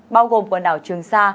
bao gồm quần đảo trường sa